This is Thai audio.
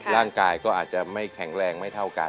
ร่างกายก็อาจจะไม่แข็งแรงไม่เท่ากัน